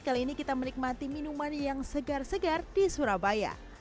kali ini kita menikmati minuman yang segar segar di surabaya